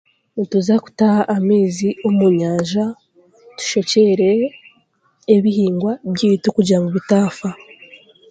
Nituza kutaha amaizi omu nyanja tushukyerere ebihingwa byaitu kugira ngu bitaafa.